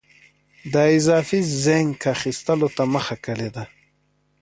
د اضافي زېنک اخیستو ته مخه کړې ده.